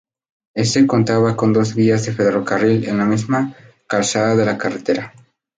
Éste contaba con dos vías de ferrocarril en la misma calzada que la carretera.